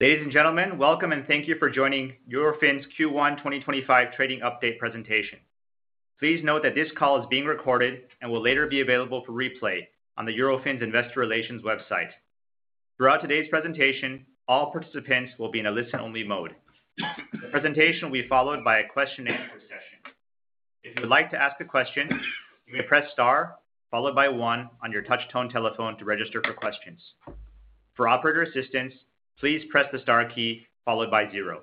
Ladies and gentlemen, welcome and thank you for joining Eurofins Q1 2025 Trading Update Presentation. Please note that this call is being recorded and will later be available for replay on the Eurofins Investor Relations website. Throughout today's presentation, all participants will be in a listen only mode. The presentation will be followed by a question and answer session. If you would like to ask a question you may press star followed by one on your touchtone telephone to register for questions. For operator assistance, please press the star key followed by zero.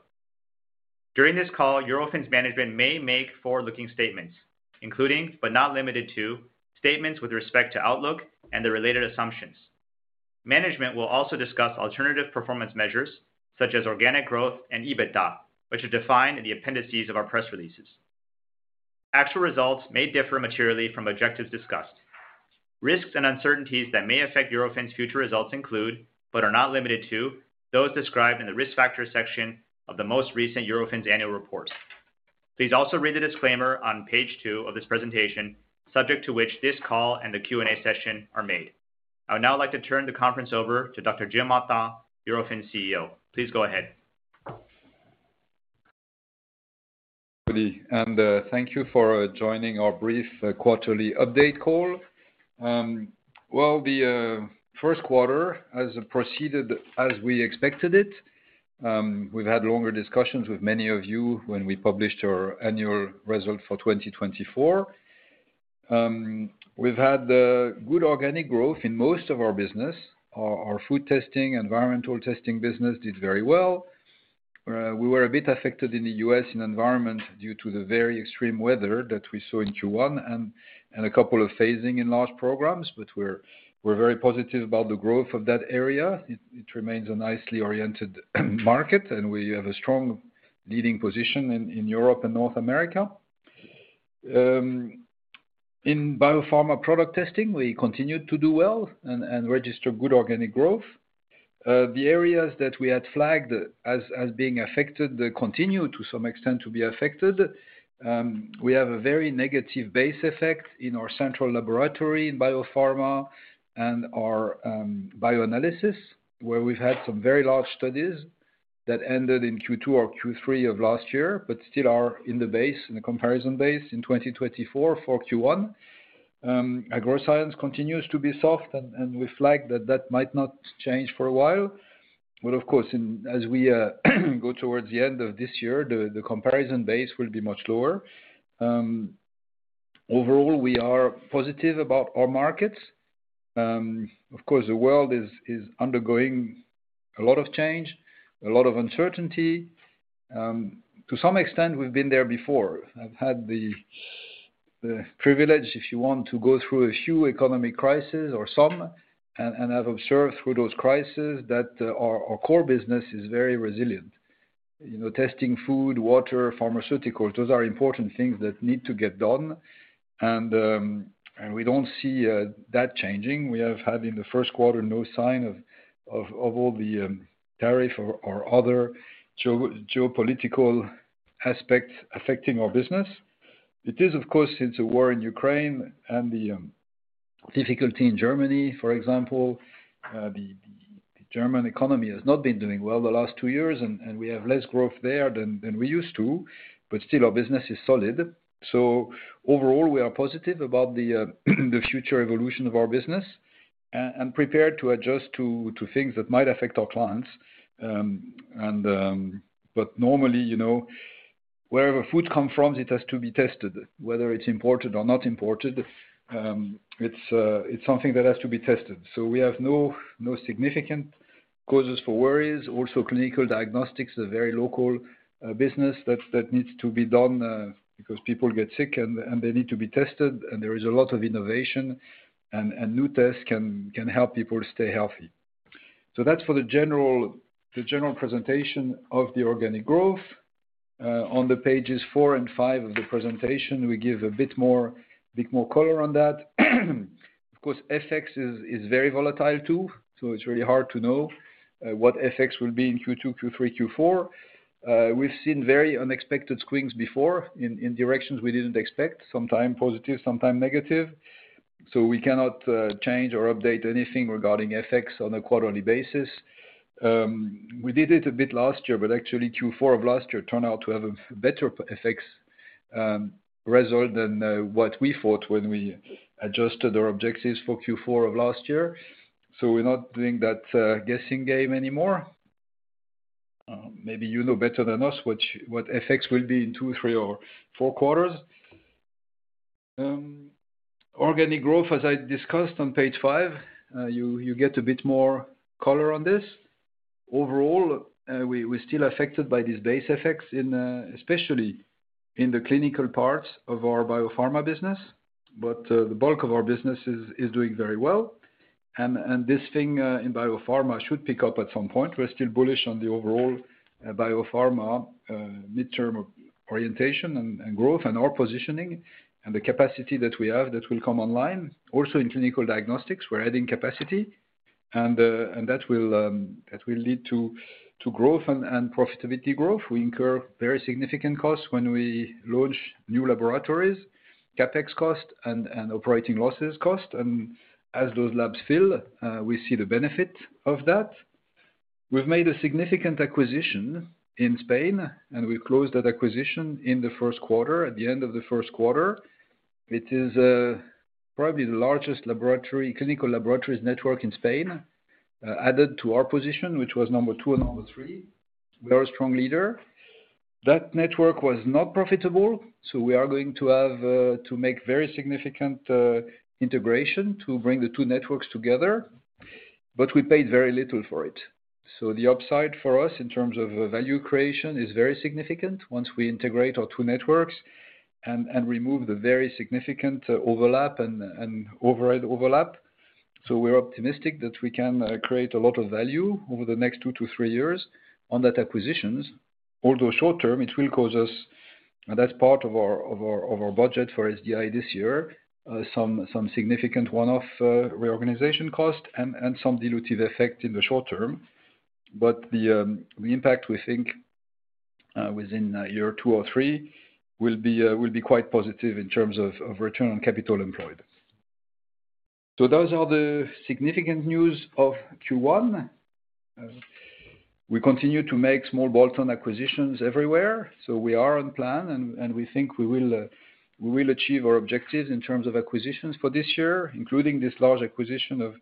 During this call, Eurofins management may make forward looking statements including but not limited to, statements with respect to outlook and the related assumptions. Management will also discuss alternative performance measures such as organic growth and EBITDA which are defined in the appendices of our press releases. Actual results may differ materially from objectives discussed. Risks and uncertainties that may affect Eurofins future results include but are not limited to those described in the Risk Factors section of the most recent Eurofins Annual Report. Please also read the disclaimer on page two of this presentation, subject to which this call and the Q and A session are made. I would now like to turn the conference over to Dr. Gilles Martin, Eurofins CEO. Please go ahead. Thank you for joining our brief Quarterly Update Call. The first quarter has proceeded as we expected it. We've had longer discussions with many of you. When we published our annual result for 2024, we've had good organic growth in most of our business. Our food testing and environmental testing business did very well. We were a bit affected in the U.S. in environment due to the very extreme weather that we saw in Q1 and a couple of phasing in large programs. We are very positive about the growth of that area. It remains a nicely oriented market and we have a strong leading position in Europe and North America in biopharma product testing. We continue to do well and register good organic growth. The areas that we had flagged as being affected continue to some extent to be affected. We have a very negative base effect in our central laboratory in biopharma and our bioanalysis where we've had some very large studies that ended in Q2 or Q3 of last year but still are in the base in the comparison base in 2024 for Q1. Agroscience continues to be soft and we flag that that might not change for a while, but of course as we go towards the end of this year the comparison base will be much lower. Overall we are positive about our markets. Of course the world is undergoing a lot of change, a lot of uncertainty. To some extent, we've been there before. I've had the privilege if you want to go through a few economic crises or some. I have observed through those crises that our core business is very resilient. Testing food, water, pharmaceuticals, those are important things that need to get done. We do not see that changing. We have had in the first quarter no sign of all the tariff or other geopolitical aspects affecting our business. It is, of course, since the war in Ukraine and the difficulty in Germany, for example. The German economy has not been doing well the last two years, and we have less growth there than we used to. Still, our business is solid. Overall, we are positive about the future evolution of our business and prepared to adjust to things that might affect our clients. Normally, wherever food comes from, it has to be tested whether it is imported or not imported. It is something that has to be tested. We have no significant causes for worries. Also, clinical diagnostics are very local business that needs to be done because people get sick and they need to be tested. There is a lot of innovation and new tests can help people stay healthy. That is for the general presentation of the organic growth. On the pages 4 and 5 of the presentation, we give a bit more color on that. Of course, FX is very volatile too, so it is really hard to know what FX will be in Q2, Q3, Q4. We have seen very unexpected swings before in directions we did not expect, sometimes positive, sometimes negative. We cannot change or update anything regarding FX on a quarterly basis. We did it a bit last year, but actually Q4 of last year turned out to have a better FX result than what we thought when we adjusted our objectives for Q4 of last year. We're not doing that guessing game anymore. Maybe you know better than us what effects will be in 2, 3 or 4/4 organic growth. As I discussed on Page 5, you get a bit more color on this. Overall, we're still affected by these base effects, especially in the clinical parts of our biopharma business. The bulk of our business is doing very well. This thing in biopharma should pick up at some point. We're still bullish on the overall biopharma midterm orientation and growth and our positioning and the capacity that we have that will come online. Also in clinical diagnostics, we're adding capacity and that will lead to growth and profitability growth. We incur very significant costs when we launch new laboratories CapEx cost and operating losses cost. As those labs fill, we see the benefit of that. We've made a significant acquisition in Spain and we closed that acquisition in the first quarter. At the end of the first quarter it is probably the largest clinical laboratories network in Spain. Added to our position, which was number two and number three, we are a strong leader. That network was not profitable. We are going to have to make very significant integration to bring the two networks together. We paid very little for it. The upside for us in terms of value creation is very significant once we integrate our two networks and remove the very significant overlap and overhead overlap. We are optimistic that we can create a lot of value over the next two to three years on that acquisition, although short term it will cause us. That is part of our budget for SDI this year. Some significant one-off reorganization cost and some dilutive effect in the short term. The impact we think within year two or three will be quite positive in terms of return on capital employed. Those are the significant news of Q1. We continue to make small bolt-on acquisitions everywhere. We are on plan and we think we will achieve our objectives in terms of acquisitions for this year, including this large acquisition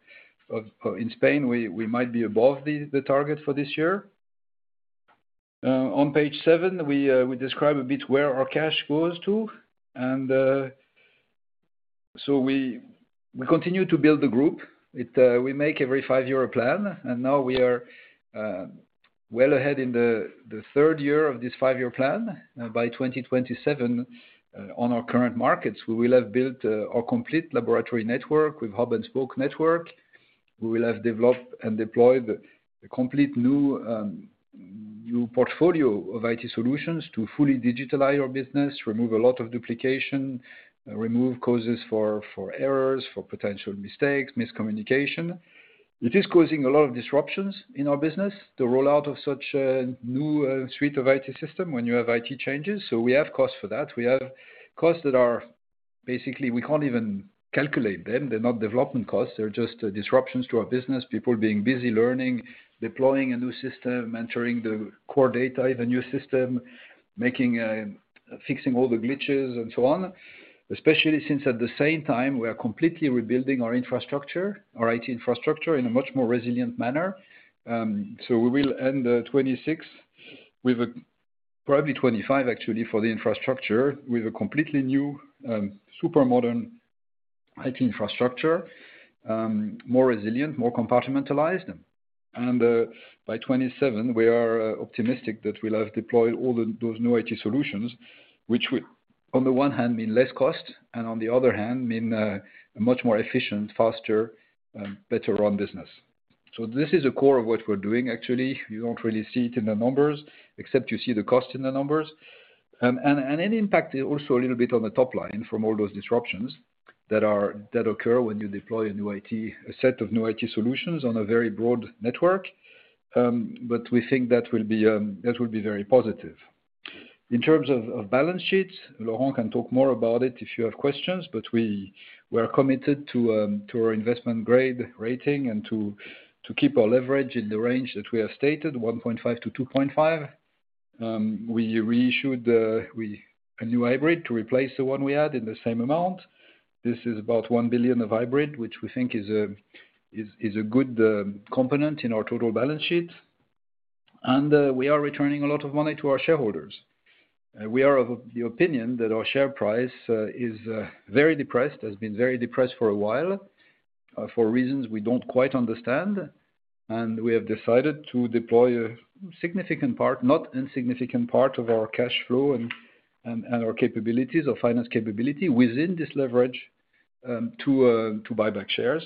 in Spain. We might be above the target for this year. On Page seven we describe a bit where our cash goes to. We continue to build the group, we make every five-year plan, and now we are well ahead in the third year of this five-year plan. By 2027 on our current markets, we will have built our complete laboratory network with hub and spoke network. We will have developed and deployed a complete new portfolio of IT solutions to fully digitalize our business. Remove a lot of duplication, remove causes for errors, for potential mistakes, miscommunication. IT is causing a lot of disruptions in our business. The rollout of such a new suite of IT system, when you have IT changes. We have costs for that. We have costs that are basically, we can't even calculate them. They're not development costs, they're just disruptions to our business. People being busy, learning, deploying a new system, mentoring the core data, even new. System. Fixing all the glitches and so on. Especially since at the same time we are completely rebuilding our infrastructure, our IT infrastructure in a much more resilient manner. We will end 2026 with, probably 2025 actually for the infrastructure, with a completely new super modern IT infrastructure, more resilient, more compartmentalized. By 2027 we are optimistic that we'll have deployed all those new IT solutions, which on the one hand mean less cost and on the other hand mean much more efficient, faster, better run business. This is a core of what we're doing. Actually you don't really see it in the numbers, except you see the cost in the numbers and an impact also a little bit on the top line from all those disruptions that occur when you deploy a new IT, a set of new IT solutions on a very broad network. We think that will be very positive in terms of balance sheets. Laurent can talk more about it if you have questions. We are committed to our investment grade rating and to keep our leverage in the range that we have stated, 1.5-2.5. We reissued a new hybrid to replace the one we had in the same amount. This is about 1 billion of hybrid, which we think is a good component in our total balance sheet. We are returning a lot of money to our shareholders. We are of the opinion that our share price is very depressed, has been very depressed for a while for reasons we do not quite understand. We have decided to deploy a significant part, not insignificant part of our cash flow and our capabilities, our finance capability, within this leverage to buy back shares.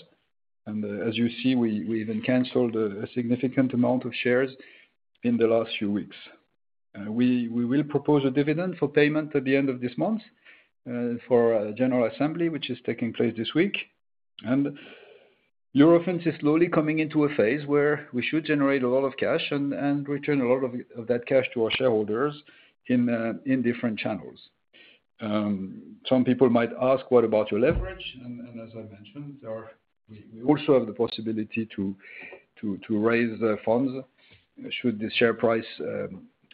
As you see, we even cancelled a significant amount of shares in the last few weeks. We will propose a dividend for payment at the end of this month for General Assembly which is taking place this week. Eurofins is slowly coming into a phase where we should generate a lot of cash and return a lot of that cash to our shareholders in different channels. Some people might ask what about your leverage? As I mentioned, there are. We also have the possibility to raise funds should the share price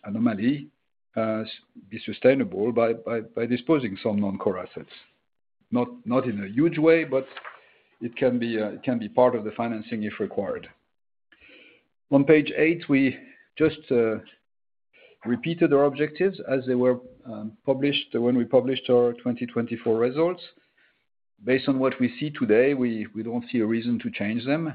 anomaly be sustainable by disposing some non-core assets. Not in a huge way, but it can be part of the financing if required. On Page eight, we just repeated our objectives as they were published when we published our 2024 results. Based on what we see today, we do not see a reason to change them.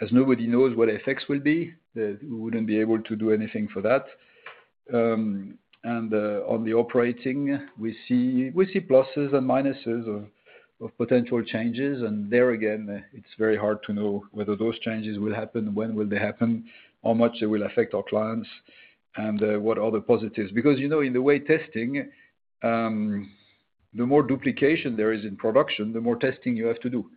As nobody knows what effects will be, we would not be able to do anything for that. On the operating, we see pluses and minuses of potential changes. There again, it is very hard to know whether those changes will happen, when will they happen, how much they will affect our clients, and what other positives. Because, you know, in the way testing, the more duplication there is in production, the more testing you have to do.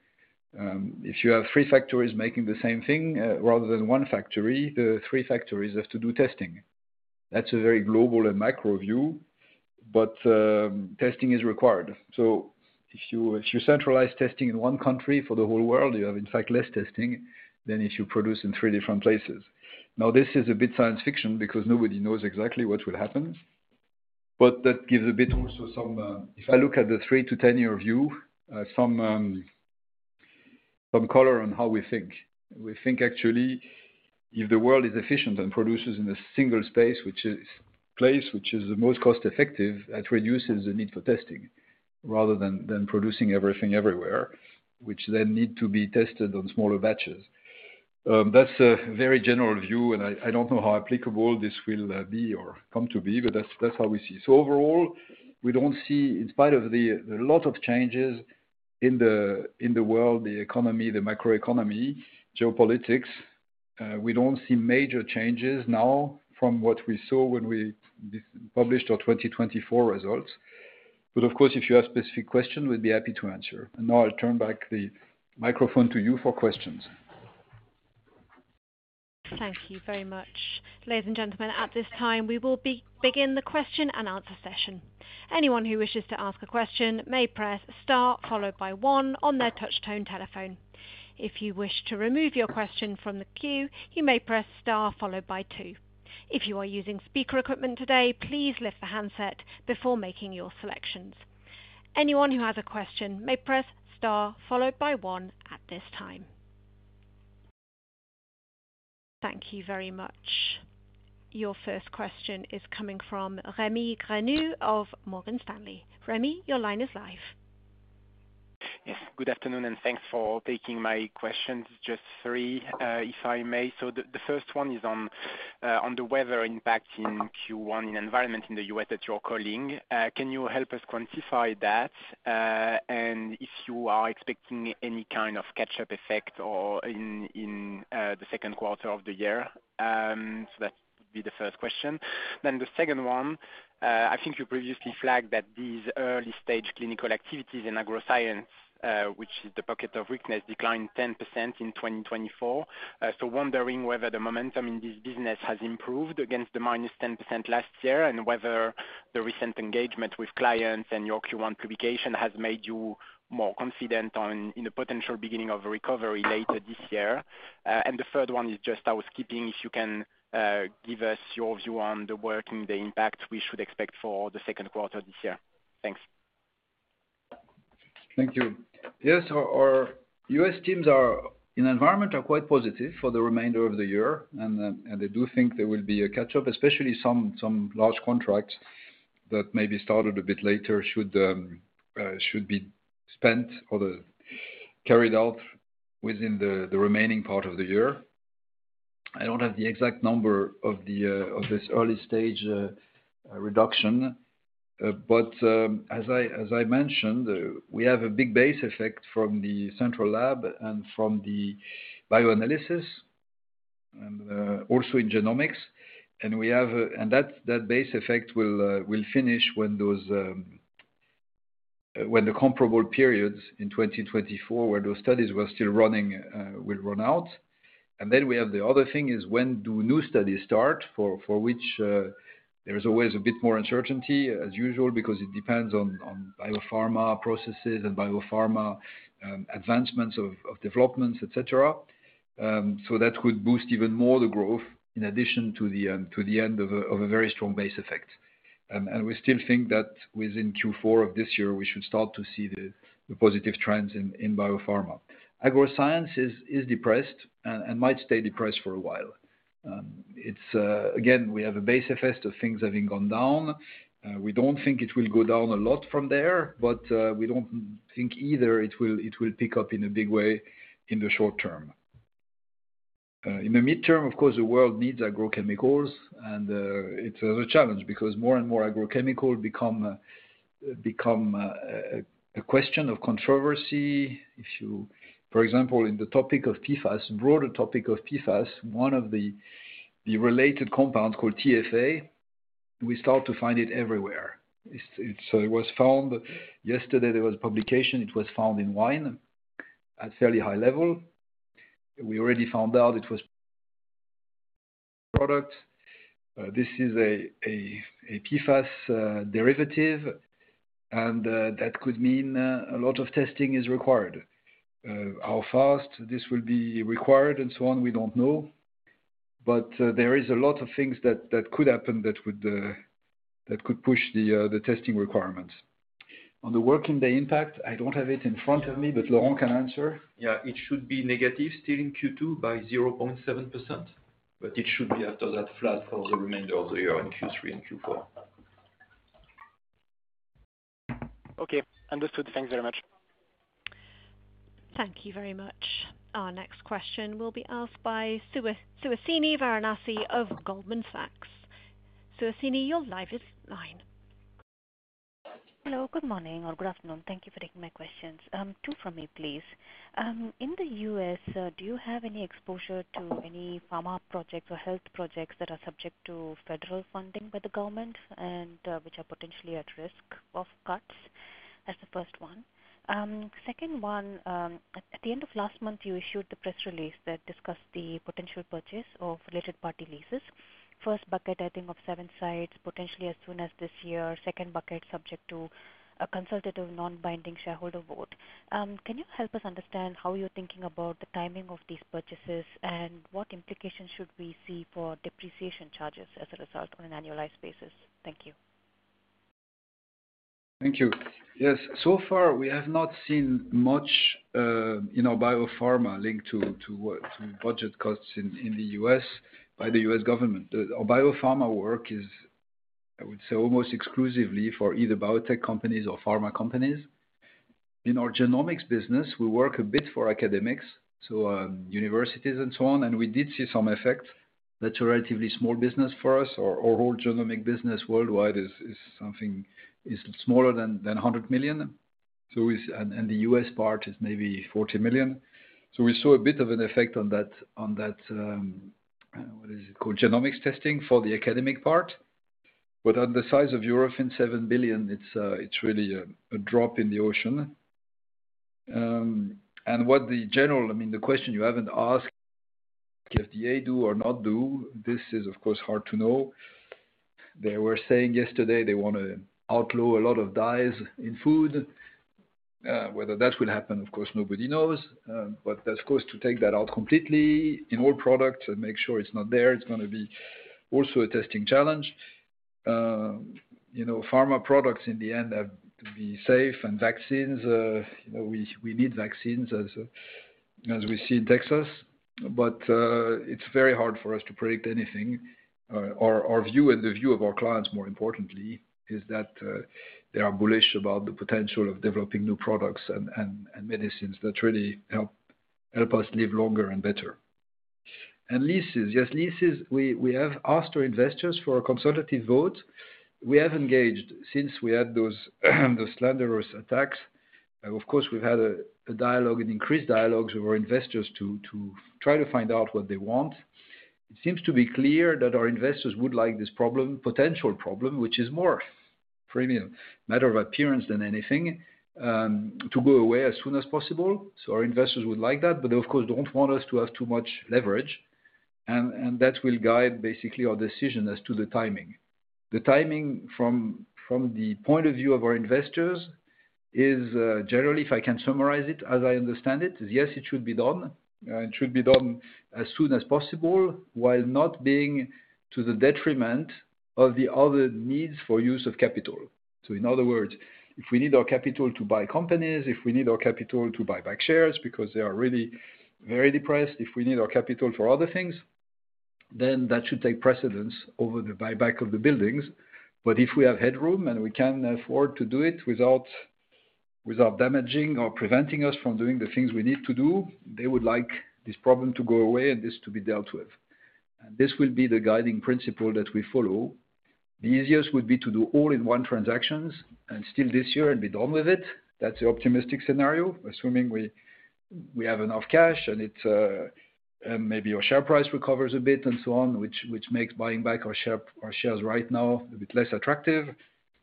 If you have three factories making the same thing rather than one factory, the three factories have to do testing. That is a very global and macro view, but testing is required. If you centralize testing in one country for the whole world, you have in fact less testing than if you produce in three different places. Now this is a bit science fiction because nobody knows exactly what will happen, but that gives a bit. Also, if I look at the three to ten year view, some color on how we think. We think actually if the world is efficient and produces in a single space, which is place which is the most cost effective, that reduces the need for testing rather than producing everything everywhere which then need to be tested on smaller batches. That is a very general view and I do not know how applicable this will be or come to be, but that is how we see. Overall we do not see, in spite of the lot of changes in the world, the economy, the macroeconomy, geopolitics, we do not see major changes now from what we saw when we published our 2024 results. Of course if you have specific questions, we'd be happy to answer. Now I'll turn back the microphone to you for questions. Thank you very much, ladies and gentlemen. At this time, we will begin the question and answer session. Anyone who wishes to ask a question may press star followed by one on their touchtone telephone. If you wish to remove your question from the queue, you may press star followed by two. If you are using speaker equipment today, please lift the handset before making your selections. Anyone who has a question may press star followed by one at this time. Thank you very much. Your first question is coming from Remi Grenu of Morgan Stanley. Remi, your line is live. Good afternoon and thanks for taking my questions. Just three if I may. The first one is on the weather impact in Q1 in environment in the U.S. that you're calling. Can you help us quantify that? If you are expecting any kind of catch up effect in the second quarter of the year. That would be the first question. The second one, I think you previously flagged that these early stage clinical activities in Agroscience, which is the pocket of weakness, declined 10% in 2024. Wondering whether the momentum in this business has improved against the minus 10% last year and whether the recent engagement with clients and your Q1 publication has made you more confident in the potential beginning of a recovery later this year. The third one is just housekeeping. If you can give us your view on the working, the impact we should expect for the second quarter this year. Thanks. Thank you. Yes, our U.S. teams in environment are quite positive for the remainder of the year and they do think there will be a catch up, especially some large contracts that may be started a bit later should be spent or carried out within the remaining part of the year. I do not have the exact number of this early stage reduction, but as I mentioned we have a big base effect from the Central Lab and from the bioanalysis and also in genomics. That base effect will finish when the comparable periods in 2024 where those studies were still running will run out. We have the other thing, which is when do new studies start, for which there is always a bit more uncertainty as usual because it depends on biopharma processes and biopharma advancements of developments, et cetera. That could boost even more the growth in addition to the end of a very strong base effect. We still think that within Q4 of this year we should start to see the positive trends in biopharma. Agroscience is depressed and might stay depressed for a while. Again, we have a base effect of things having gone down. We do not think it will go down a lot from there, but we do not think either it will pick up in a big way in the short term, in the midterm. Of course, the world needs agrochemicals and it is a challenge because more and more agrochemicals become a question of controversy. For example, in the topic of PFAS, broader topic of PFAS, one of the related compounds called TFA. We start to find it everywhere. It was found yesterday there was publication, it was found in wine at fairly high level. We already found out it was products. This is a PFAS derivative and that could mean a lot of testing is required. How fast this will be required and so on we don't know. There is a lot of things that could happen that could push the testing requirements on the working day impact. I don't have it in front of me, but Laurent can answer. It should be negative still in Q2 by 0.7% but it should be after that flat for the remainder of the year in Q3 and Q4. Okay, understood. Thanks very much. Thank you very much. Our next question will be asked by Suhasini Varanasi of Goldman Sachs. Suhasini, your line is live. Hello, good morning or good afternoon. Thank you for taking my questions. Two from me please. In the U.S. do you have any exposure to any pharma projects or health projects that are subject to federal funding by the Government which are potentially at risk of cuts? That's the first one. Second one. At the end of last month you issued the press release that discussed the potential purchase of related party leases. First bucket, I think of seven sites potentially as soon as this year. Second bucket, subject to a consultative, non-binding shareholder vote. Can you help us understand how you're thinking about the timing of these purchases and what implications should we see for depreciation charges as a result on an annualized basis? Thank you. Thank you. Yes, so far we have not seen much in our biopharma linked to budget costs in the U.S. by the U.S. Government. Our biopharma work is, I would say, almost exclusively for either biotech companies or pharma companies. In our genomics business, we work a bit for academics, so universities and so on. I mean, we did see some effect. That is a relatively small business for us. Our whole genomics business worldwide is something smaller than 100 million and the U.S. part is maybe 40 million. We saw a bit of an effect on that. What is it called? Genomics testing for the academic part, but at the size of Eurofins in 7 billion, it is really a drop in the ocean. I mean, the question you have not asked, FDA do or not do, this is of course hard to know. They were saying yesterday they want to outlaw a lot of dyes in food. Whether that will happen, of course, nobody knows. Of course, to take that out completely in all products and make sure it's not there, it's going to be also a testing challenge. You know, pharma products in the end have to be safe. And vaccines, we need vaccines as we see in Texas. It is very hard for us to predict anything. Our view and the view of our clients more importantly is that they are bullish about the potential of developing new products and medicines that really help us live longer and better. And leases, yes, leases. We have asked our investors for a consultative vote. We have engaged since we had those slanderous attacks, of course we've had a dialogue and increased dialogues with our investors to try to find out what they want. It seems to be clear that our investors would like this problem, potential problem, which is more matter of appearance than anything, to go away as soon as possible. Our investors would like that, but they of course don't want us to have too much leverage and that will guide basically our decision. As to the timing, the timing from the point of view of our investors is generally, if I can summarize it as I understand it, yes, it should be done. It should be done as soon as possible while not being to the detriment of the other needs for use of capital. In other words, if we need our capital to buy companies, if we need our capital to buy back shares because they are really very depressed, if we need our capital for other things, then that should take precedence over the buyback of the buildings. If we have headroom and we can afford to do it without damaging or preventing us from doing the things we need to do, they would like this problem to go away and this to be dealt with. This will be the guiding principle that we follow. The easiest would be to do all in one transaction and still this year and be done with it. That is the optimistic scenario. Assuming we have enough cash and maybe your share price recovers a bit and so on, which makes buying back our shares right now a bit less attractive.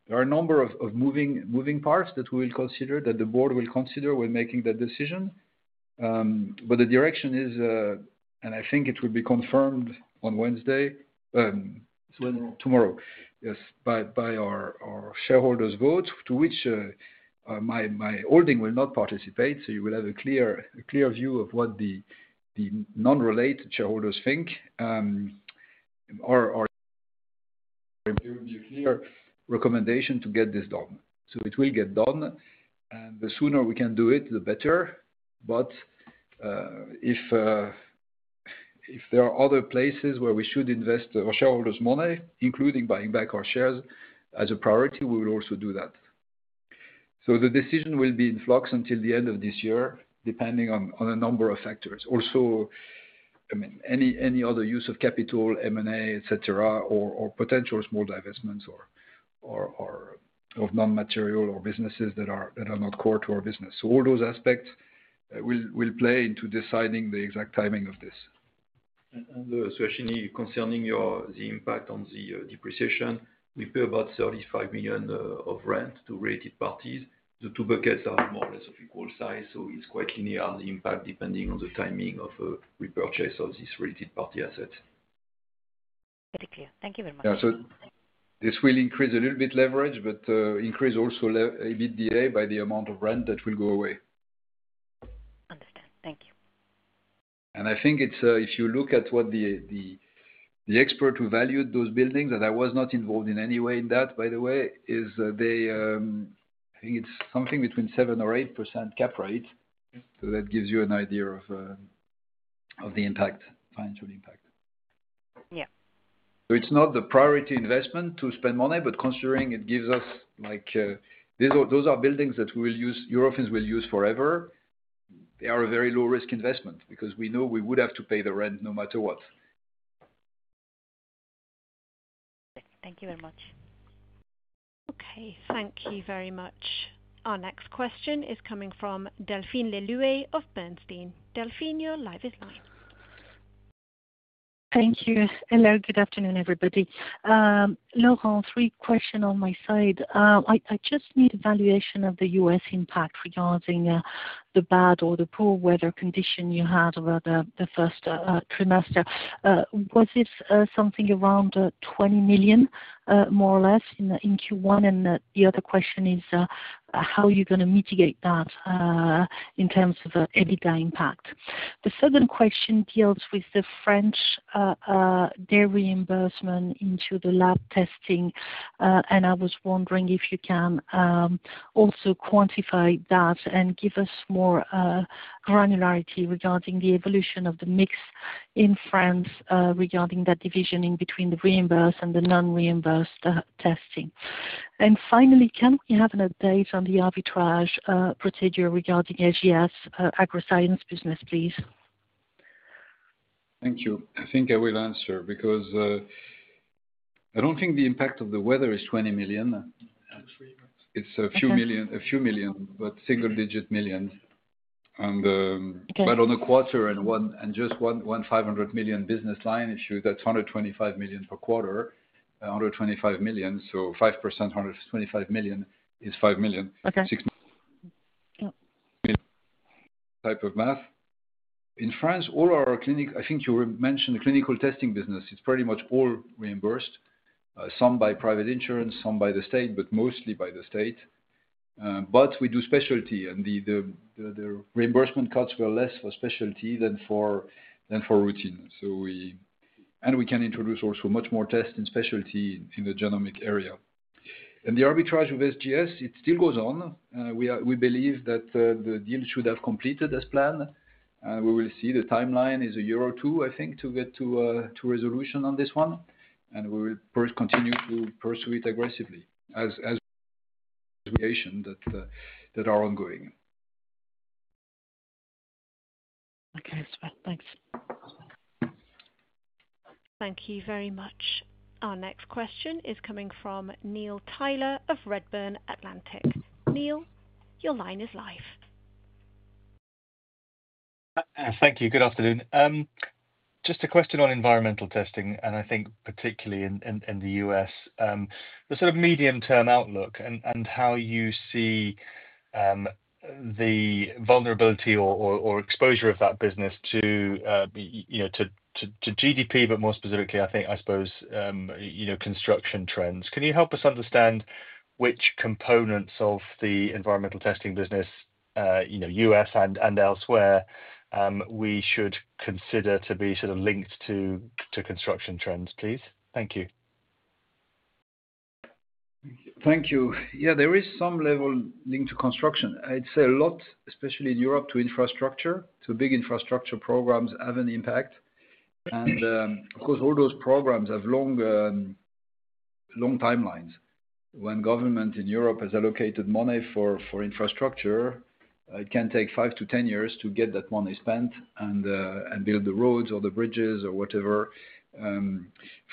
There are a number of moving parts that we will consider, that the board will consider when making that decision. The direction is, and I think it will be confirmed on Wednesday, tomorrow, by our shareholders' vote, to which my holding will not participate. You will have a clear view of what the non-related shareholders think, or there will be a clear recommendation to get this done. It will get done, and the sooner we can do it, the better. If there are other places where we should invest our shareholders' money, including buying back our shares as a priority, we will also do that. The decision will be in flux until the end of this year depending on a number of factors. Also any other use of capital, M&A et cetera or potential small divestments of non-material or businesses that are not core to our business. All those aspects will play into deciding the exact timing of this. Concerning the impact on the depreciation. We pay about 35 million of rent to related parties. The two buckets are more or less of equal size. It is quite linear on the impact depending on the timing of repurchase of these related party assets. Very clear. Thank you very much. This will increase a little bit leverage but increase also EBITDA by the amount of rent that will go away. Understand? Thank you. I think if you look at what the expert who valued those buildings that I was not involved in any way in that, by the way, is they. I think it's something between 7% or 8% cap rate. That gives you an idea of the impact, financial impact. Yeah. It is not the priority investment to spend money but considering it gives us, like, those are buildings that Eurofins will use forever. They are a very low risk investment because we know we would have to pay the rent no matter what. Thank you very much. Okay, thank you very much. Our next question is coming from Delphine Le Louët of Bernstein. Delphine, your line is live. Thank you. Hello, good afternoon everybody. Laurent, three questions on my side. I just need evaluation of the U.S. impact regarding the bad or the poor weather condition you had over the first trimester. Was this something around 20 million more or less in Q1? The other question is how are you going to mitigate that in terms of EBITDA impact? The second question deals with the French reimbursement into the lab testing and I was wondering if you can also quantify that and give us more granularity regarding the evolution of the mix in France regarding that division between the reimbursed and the non-reimbursed testing. Finally, can we have an update on the arbitrage procedure regarding SGS Agroscience business please? Thank you. I think I will answer because I don't think the impact of the weather is 20 million. It's a few million but single-digit million but on the quarter and one and just one 500 million business line issue that's 125 million per quarter. 125 million. So 5%. 125 million is 5 million type of math in France. All our clinic, I think you mentioned the clinical testing business. It's pretty much all reimbursed, some by private insurance, some by the state, but mostly by the state. We do specialty and the reimbursement cuts were less for specialty than for routine. We can introduce also much more test and specialty in the genomic area. The arbitrage of SGS, it still goes on. We believe that the deal should have completed as planned and we will see the timeline is a year or two I think to get to resolution on this one and we will continue to pursue it aggressively as that are ongoing. Okay, thanks. Thank you very much. Our next question is coming from Neil Tyler of Redburn Atlantic. Neil, your line is live. Thank you. Good afternoon. Just a question on environmental testing and I think particularly in the U.S. Sort of medium term outlook and how. You see the vulnerability or exposure of. That business to GDP. More specifically, I think, I suppose construction trends. Can you help us understand which components? Of the environmental testing business U.S. and elsewhere we should consider to be sort of linked to construction trends, please. Thank you. Thank you. Yeah, there is some level linked to construction. I'd say a lot, especially in Europe to infrastructure. Big infrastructure programs have an impact. Of course, all those programs have long timelines. When government in Europe has allocated money for infrastructure, it can take five to 10 years to get that money spent and build the roads or the bridges or whatever.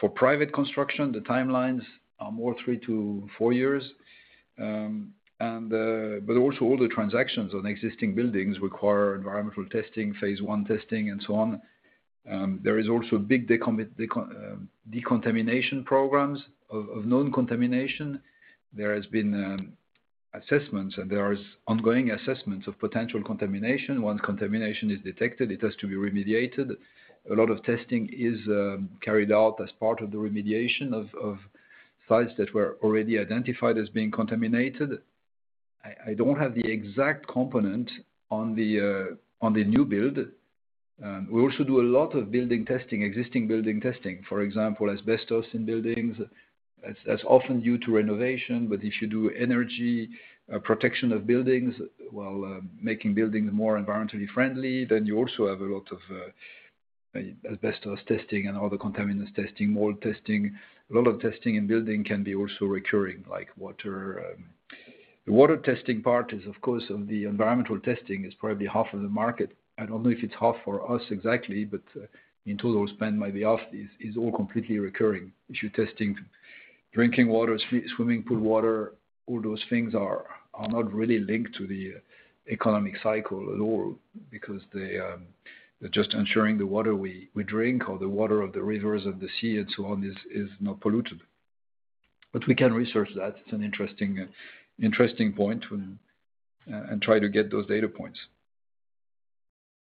For private construction the timelines are more three to four years. Also, all the transactions on existing buildings require environmental testing, Phase I testing and so on. There are also big decontamination programs of non contamination. There have been assessments and there are ongoing assessments of potential contamination. Once contamination is detected, it has to be remediated. A lot of testing is carried out as part of the remediation of sites that were already identified as being contaminated. I don't have the exact component on the new build. We also do a lot of building testing, existing building testing, for example asbestos in buildings. That is often due to renovation. If you do energy protection of buildings while making buildings more environmentally friendly, you also have a lot of asbestos testing and other contaminants testing, mould testing, a lot of testing. Building can be also recurring like water. The water testing part is, of course, the environmental testing is probably half of the market. I don't know if it is half for us exactly, but in total spend, it might be half, it is all completely recurring. If you're testing drinking water, swimming pool water, all those things are not really linked to the economic cycle at all because they're just ensuring the water we drink or the water of the rivers and the sea and so on is not polluted. We can research that. It's an interesting point and try to get those data points.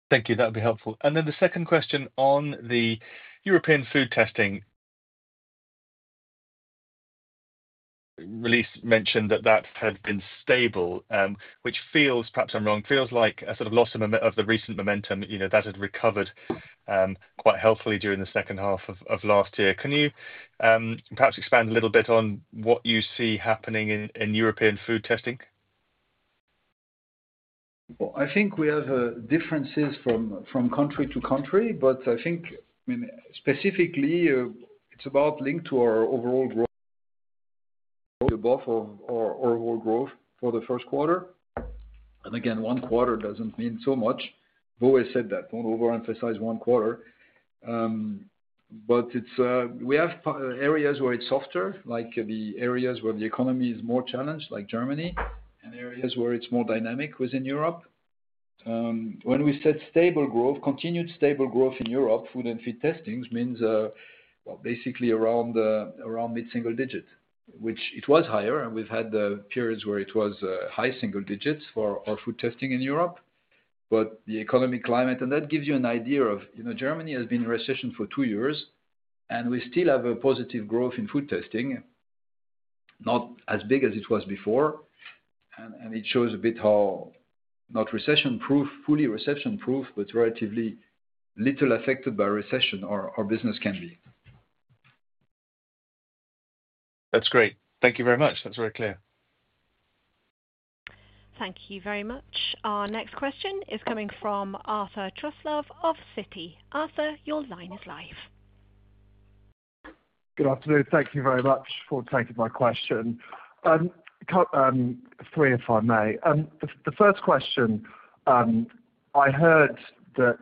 Thank you, that'd be helpful. The second question on the European food testing. Release mentioned that had been stable, which feels perhaps I'm wrong. Feels like a sort of loss of. The recent momentum that had recovered quite healthily during the second half of last year. Can you perhaps expand a little bit on what you see happening in European food testing? I think we have differences from country to country, but I think specifically it's about linked to our overall growth above our overall growth for the first quarter. Again, one quarter doesn't mean so much. I've always said that don't overemphasize one quarter. We have areas where it's softer, like the areas where the economy is more challenged, like Germany, and areas where it's more dynamic within Europe. When we said stable growth, continued stable growth in Europe, food and feed testings means basically around mid single digit, which it was higher, and we've had the periods where it was high single digits for food testing in Europe. The economic climate, and that gives you an idea of, you know, Germany has been in recession for two years and we still have a positive growth in food testing. Not as big as it was before. It shows a bit how not recession proof, fully recession proof, but relatively little affected by recession our business can be. That's great. Thank you very much. That's very clear. Thank you very much. Our next question is coming from Arthur Truslove of Citi. Arthur, your line is live. Good afternoon. Thank you very much for taking my question. Three. If I may, the first question, I heard that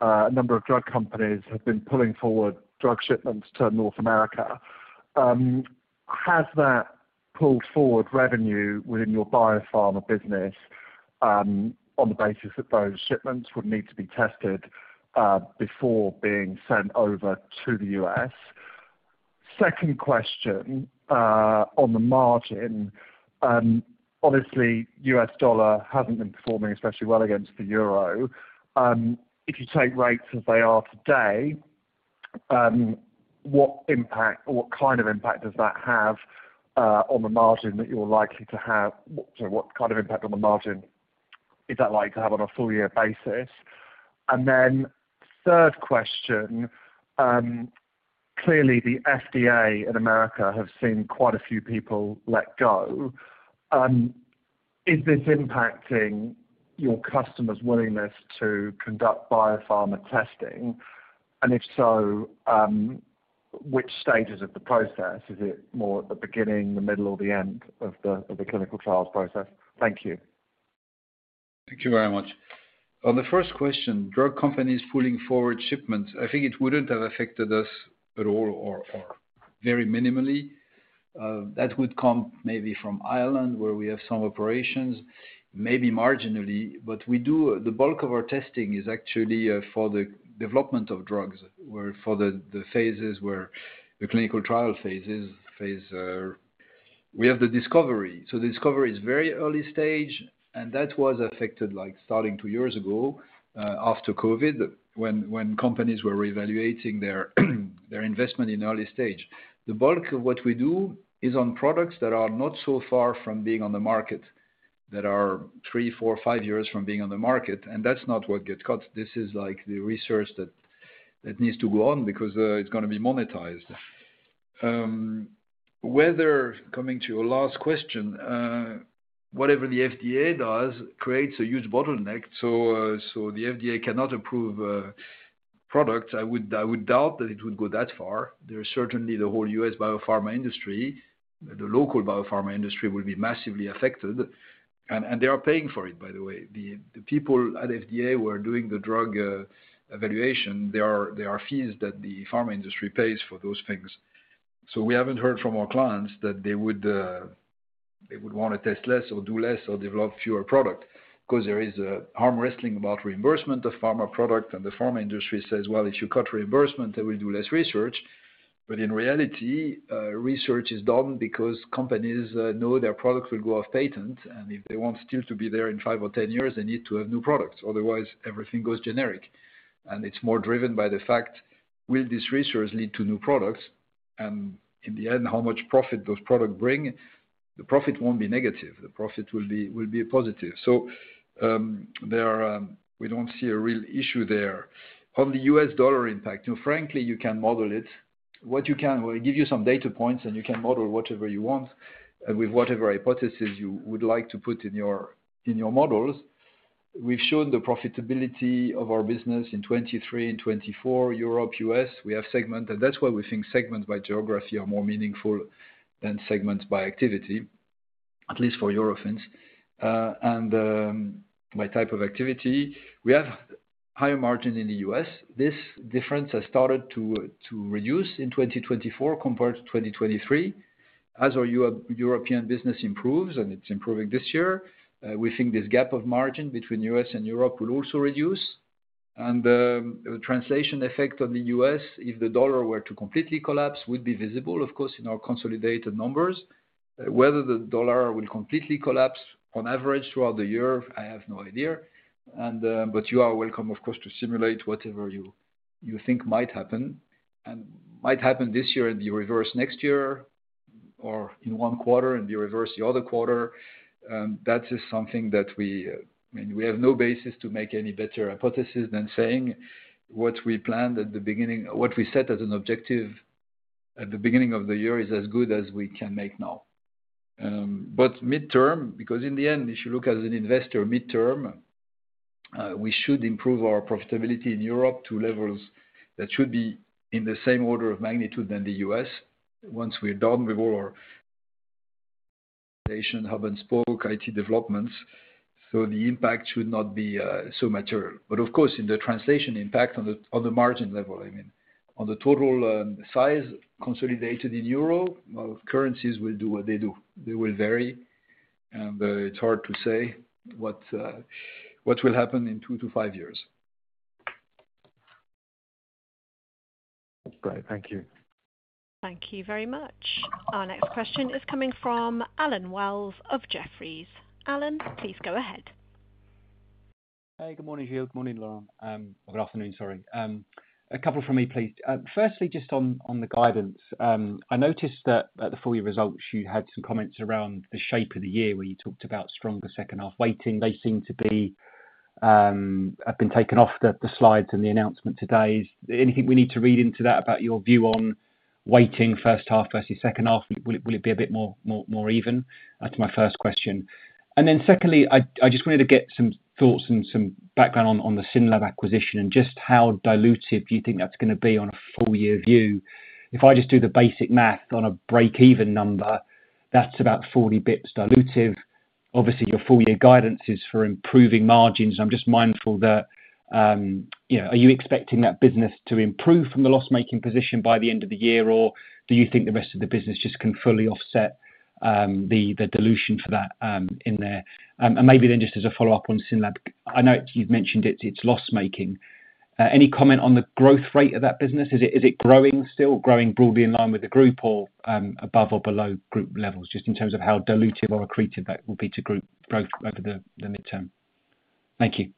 a number of drug companies have been pulling forward drug shipments to North America. Has that pulled forward revenue within your biopharma business on the basis that those shipments would need to be tested before being sent over to the U.S.? Second question on the margin. Obviously U.S. dollar hasn't been performing especially well against the euro. If you take rates as they are today, what impact, what kind of impact does that have on the margin that you're likely to have? What kind of impact on the margin is that likely to have on a full year basis? Third question, clearly the FDA in America have seen quite a few people let go. Is this impacting your customers' willingness to conduct biopharma testing? If so, which stages of the process? Is it more at the beginning, the middle or the end of the clinical trials process? Thank you. Thank you very much. On the first question, drug companies pulling forward shipments, I think it would not have affected us at all or very minimally. That would come maybe from Ireland where we have some operations, maybe marginally, but the bulk of our testing is actually for the development of drugs for the phases where the clinical trial phases we have the discovery. The discovery is very early stage. That was affected starting two years ago after Covid, when companies were reevaluating their investment in early stage. The bulk of what we do is on products that are not so far from being on the market, that are three, four, five years from being on the market. That is not what gets cut. This is like the research that needs to go on because it is going to be monetized. Whether coming to your last question, whatever the FDA does creates a huge bottleneck. The FDA cannot approve products. I would doubt that it would go that far. There is certainly the whole U.S. biopharma industry, the local biopharma industry will be massively affected and they are paying for it by the way the people at FDA were doing the drug evaluation, there are fees that the pharma industry pays for those things. We have not heard from our clients that they would want to test less or do less or develop fewer product because there is arm wrestling about reimbursement of pharma product. The pharma industry says, if you cut reimbursement they will do less research. In reality, research is done because companies know their products will go off patent and if they want still to be there in five or 10 years, they need to have new products. Otherwise everything goes generic. It is more driven by the fact will this research lead to new products and in the end how much profit those products bring? The profit will not be negative, the profit will be positive. We do not see a real issue there on the US dollar impact, frankly. You can model it. We can give you some data points and you can model whatever you want and with whatever hypothesis you would like to put in your models. We have shown the profitability of our business in 2023 and 2024. Europe, U.S., we have segments and that is why we think segments by geography are more meaningful than segments by activity. At least for Eurofins and my type of activity, we have higher margin in the U.S. This difference has started to reduce in 2024 compared to 2023. As our European business improves and it's improving this year, we think this gap of margin between us and Europe will also reduce. The translation effect of the U.S., if the dollar were to completely collapse, would be visible of course in our consolidated numbers. Whether the dollar will completely collapse on average throughout the year, I have no idea. You are welcome, of course, to simulate whatever you think might happen and might happen this year and be reversed next year or in one quarter and be reversed the other quarter. That is something that we have no basis to make any better hypothesis than saying what we planned at the beginning, what we set as an objective at the beginning of the year is as good as we can make now, but mid term, because in the end, if you look as an investor mid term, we should improve our profitability in Europe to levels that should be in the same order of magnitude than the U.S. once we're done with all our station hub and spoke IT developments. The impact should not be so material. Of course, in the translation impact on the margin level, I mean on the total size consolidated in EUR currencies will do what they do, they will vary and it's hard to say what will happen in two to five years. Great, thank you. Thank you very much. Our next question is coming from Allen Wells of Jefferies. Allen, please go ahead. Hey, good morning, Gilles. Good morning, Laurent, good afternoon. Sorry, a couple from me please. Firstly, just on the guidance, I noticed that at the full year results you had some comments around the shape of the year where you talked about stronger second half weighting. They seem to have been taken off the slides and the announcement today, is there anything we need to read into that about your view on weighting first half versus second half, will it be a bit more even? That's my first question. Secondly, I just wanted to get some thoughts and some background on the Synlab acquisition. Just how dilutive do you think that's going to be on a full year view? If I just do the basic math on a break even number, that's about 40 basis points dilutive. Obviously your full year guidance is for improving margins. I'm just mindful that are you expecting that business to improve from the loss making position by the end of the year or do you think the rest of the business just can fully offset the dilution for that in there? Maybe then just as a follow up on Synlab, I know you've mentioned it's loss making. Any comment on the growth rate of that business? Is it growing, still growing broadly in line with the group or above or below group levels? Just in terms of how dilutive or accretive that will be to group growth over the midterm. Thank you.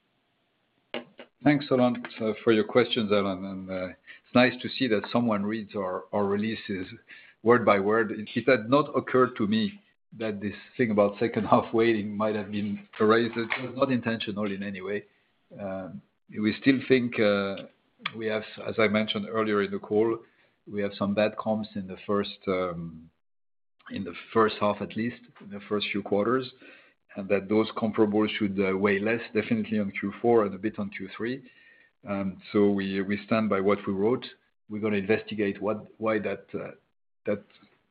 Thanks a lot for your questions, Alan. It is nice to see that someone reads our releases word by word. It had not occurred to me that this thing about second half weighting might have been erased. It was not intentional in any way. We still think we have. As I mentioned earlier in the call, we have some bad comps in the first half, at least the first few quarters, and that those comparables should weigh less definitely on Q4 and a bit on Q3. We stand by what we wrote. We are going to investigate why that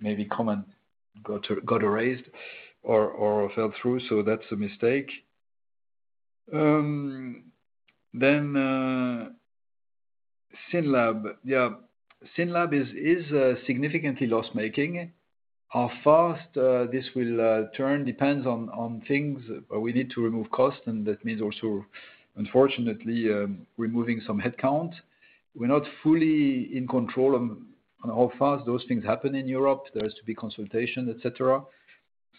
maybe comment got erased or fell through. That is a mistake. Then Synlab. Yeah, Synlab is significantly loss making. How fast this will turn depends on things. We need to remove cost and that means also unfortunately we are moving some headcount. We're not fully in control of how fast those things happen in Europe. There has to be consultation, etc.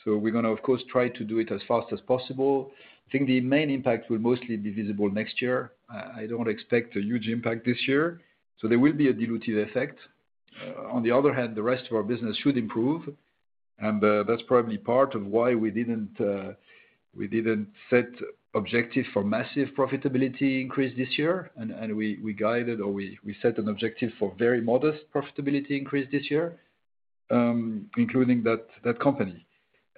We're going to of course try to do it as fast as possible. I think the main impact will mostly be visible next year. I don't expect a huge impact this year, so there will be a dilutive effect. On the other hand, the rest of our business should improve and that's probably part of why we didn't set objectives for massive profitability increase this year and we guided or we set an objective for very modest profitability increase this year, including that company.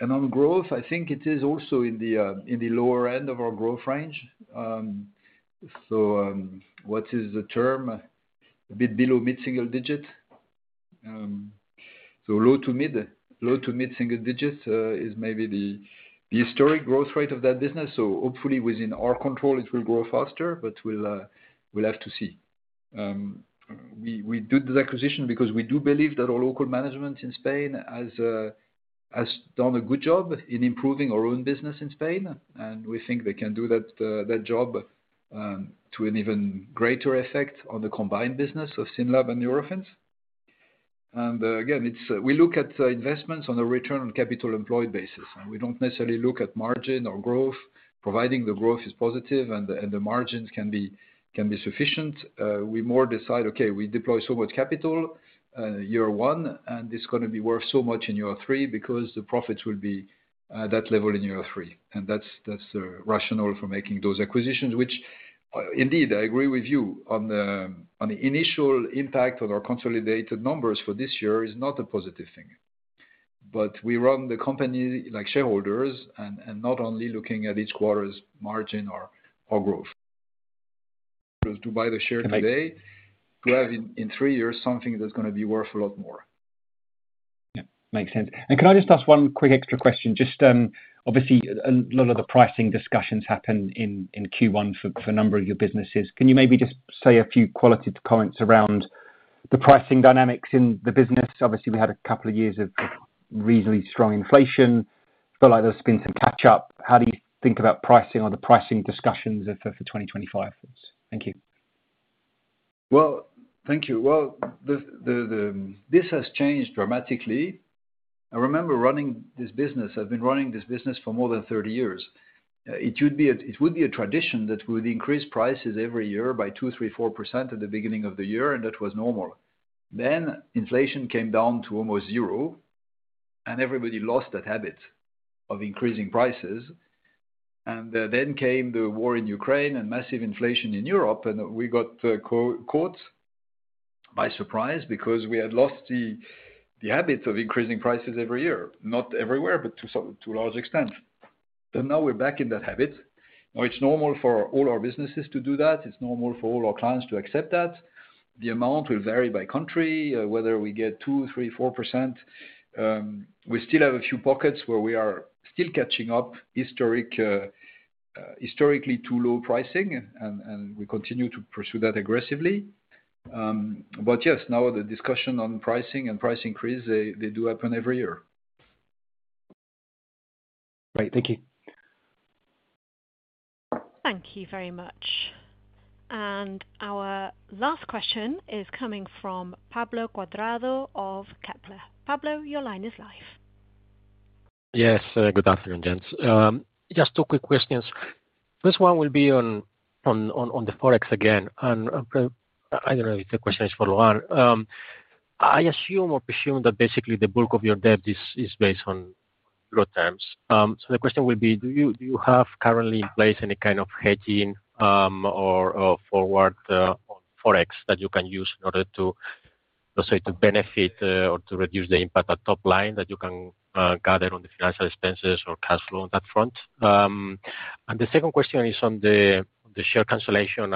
On growth, I think it is also in the lower end of our growth range. What is the term? A bit below mid single digit. Low to middle low to mid single digits is maybe the historic growth rate of that business. Hopefully within our control it will grow faster. We will have to see. We did this acquisition because we do believe that our local management in Spain has done a good job in improving our own business in Spain. We think they can do that job to an even greater effect on the combined business of Synlab and Eurofins. Again, we look at investments on a return on capital employed basis. We do not necessarily look at margin or growth, providing the growth is positive and the margins can be sufficient. We more decide, okay, we deploy so much capital year one and it's going to be worth so much in year three because the profits will be that level in year three and that's rational for making those acquisitions, which indeed I agree with you on, on the initial impact on our consolidated numbers for this year is not a positive thing. We run the company like shareholders and not only looking at each quarter's margin or growth to buy the share today, in three years, something that's going to be worth a lot more. Makes sense. Can I just ask one quick extra question? Just obviously a lot of the pricing discussions happen in Q1 for a number of your businesses. Can you maybe just say a few qualitative comments around the pricing dynamics in the business? Obviously we had a couple of years of reasonably strong inflation. Felt like there's been some catch up. How do you think about pricing or the pricing discussions for 2025? Thank you. Thank you. This has changed dramatically. I remember running this business. I've been running this business for more than 30 years. It would be a tradition that would increase prices every year by 2-4% at the beginning of the year. That was normal. Inflation came down to almost zero and everybody lost that habit of increasing prices. Then came the war in Ukraine and massive inflation in Europe and we got caught by surprise because we had lost the habit of increasing prices every year. Not everywhere. To a large extent now we're back in that habit. It's normal for all our businesses to do that. It's normal for all our clients to accept that. The amount will vary by country. Whether we get 2-4%, we still have a few pockets where we are still catching up. Historically too low pricing and we continue to pursue that aggressively. Yes, now the discussion on pricing and price increase, they do happen every year. Great, thank you. Thank you very much. Our last question is coming from Pablo Cuadrado of Kepler. Pablo, your line is live. Yes, good afternoon gents. Just two quick questions. First one will be on the Forex again and I do not know if the question is for Laurent. I assume or presume that basically the bulk of your debt is based on growth terms. The question will be do you have currently in place any kind of hedging or forward Forex that you can use in order to benefit or to reduce the impact at top line that you can gather on the financial expenses or cash flow on that front? The second question is on the share cancellation.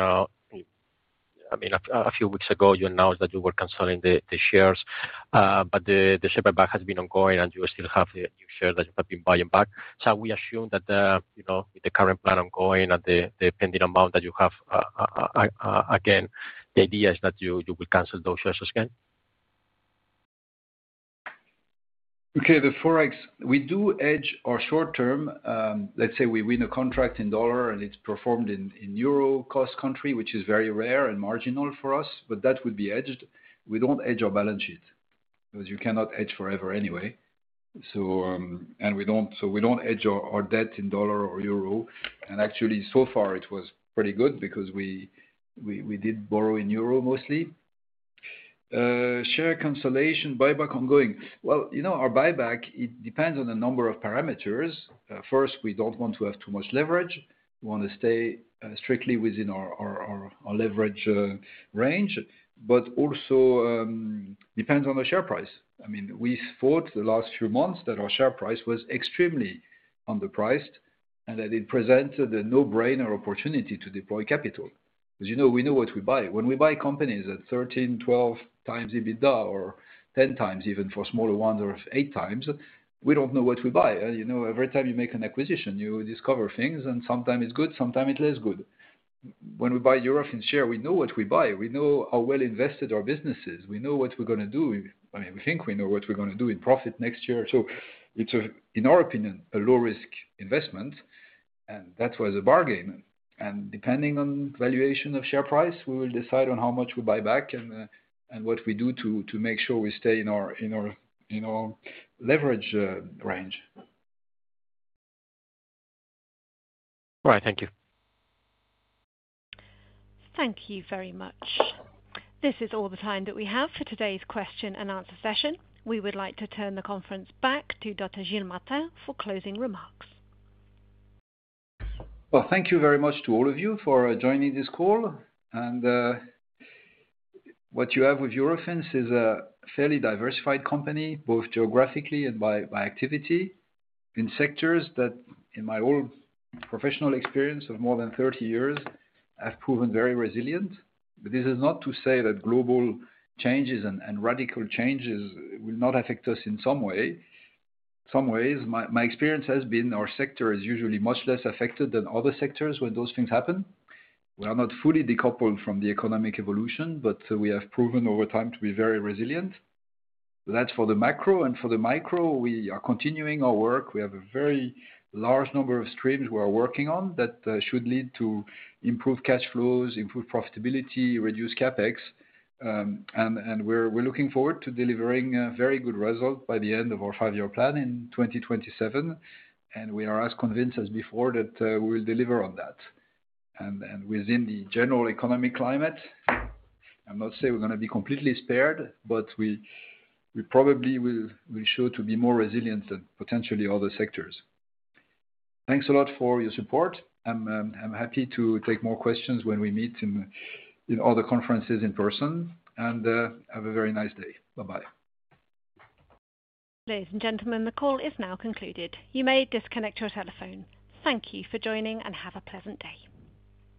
I mean a few weeks ago you announced that you were cancelling the shares but the share buyback has been ongoing and you still have the shares that you have been buying back. We assume that the current plan is ongoing at the pending amount that you have again. The idea is that you will cancel those shares again. Okay. The Forex we do hedge our short term. Let's say we win a contract in dollar and it's performed in euro cost country which is very rare and marginal for us but that would be hedged. We don't hedge our balance sheet because you cannot hedge forever anyway. We don't hedge our debt in dollar or EURO. Actually, so far it was pretty good because we did borrow in euro mostly. Share cancellation buyback ongoing. You know, our buyback depends on the number of parameters. First, we don't want to have too much leverage. We want to stay strictly within our leverage range. It also depends on the share price. I mean we thought the last few months that our share price was extremely underpriced and that it presented a no brainer opportunity to deploy capital. As you know, we know what we buy when we buy companies at 13, 12 times EBITDA or 10 times even for smaller ones or 8 times. We do not know what we buy. Every time you make an acquisition you discover things and sometimes it is good, sometimes it is less good. When we buy Eurofins in share, we know what we buy, we know how well invested our business is. We know what we are going to do. I mean, we think we know what we are going to do in profit next year. It is, in our opinion, a low risk investment and that was a bargain. Depending on valuation of share price, we will decide on how much we buy back and what we do to make sure we stay in our, you know, leverage range. Right. Thank you. Thank you very much. This is all the time that we have for today's question and answer session. We would like to turn the conference back to Dr. Gilles Martin for closing remarks. Thank you very much to all of you for joining this call. What you have with Eurofins is a fairly diversified company, both geographically and by activity in sectors that in my own professional experience of more than 30 years have proven very resilient. This is not to say that global changes and radical changes will not affect us in some way. Some ways my experience has been our sector is usually much less affected than other sectors when those things happen. We are not fully decoupled from the economic evolution, but we have proven over time to be very resilient. That is for the macro and for the micro. We are continuing our work. We have a very large number of streams we are working on that should lead to improved cash flows, improve profitability, reduce CapEx, and we are looking forward to delivering very good result by the end of our five year plan in 2027. We are as convinced as before that we will deliver on that within the general economic climate. I am not saying we are going to be completely spared, but we probably will show to be more resilient than potentially other sectors. Thanks a lot for your support. I am happy to take more questions when we meet in other conferences in person and have a very nice day. Bye bye. Ladies and gentlemen, the call is now concluded. You may disconnect your telephone. Thank you for joining and have a pleasant day.